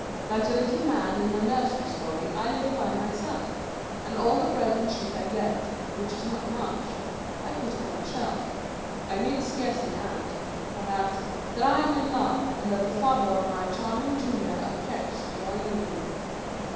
Like the little man in the nursery story, I live by myself, and all the bread and cheese I get — which is not much — I put upon a shelf. I need scarcely add, per haps, that I am in love, and that the father of my charming Julia objects to our union.